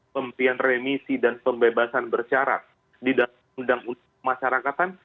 pempian remisi dan pembebasan bersyarat di dalam undang undang pemasyarakatan